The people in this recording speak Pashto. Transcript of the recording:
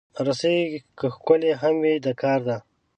رسۍ که ښکلې هم وي، د کار ده.